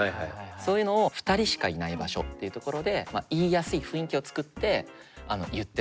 そういうのを２人しかいない場所っていう所で言いやすい雰囲気を作って言ってもらう。